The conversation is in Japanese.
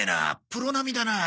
プロ並だな。